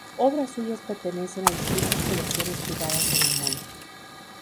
Obras suyas pertenecen a distintas colecciones privadas en el mundo.